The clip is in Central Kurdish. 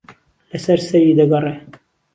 لە سەر سهری دهگەڕێ